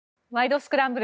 スクランブル」